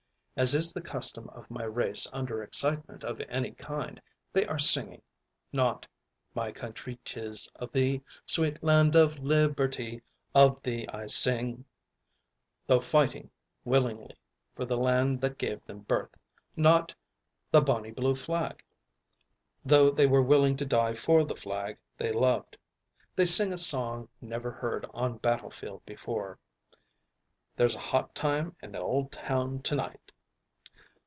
As is the custom of my race under excitement of any kind, they are singing, not "My country, 'tis of thee, Sweet land of Liberty, Of thee I sing," though fighting willingly for the land that gave them birth; not, "The Bonnie blue flag," though they were willing to die for the flag they loved; they sing a song never heard on battle field before, "There's a hot time in the old town to night."